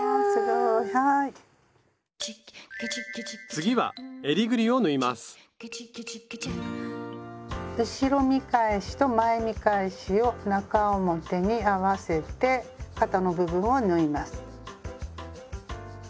次は後ろ見返しと前見返しを中表に合わせて肩の部分を縫います。